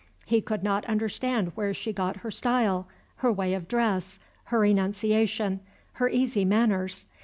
He could not understand where she got her style, her way of dress, her enunciation, her easy manners.